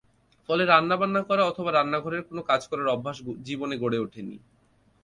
ফলে রান্নাবান্না করা অথবা রান্নাঘরের কোনো কাজ করার অভ্যাস জীবনে গড়ে ওঠেনি।